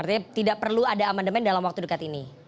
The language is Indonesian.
artinya tidak perlu ada amandemen dalam waktu dekat ini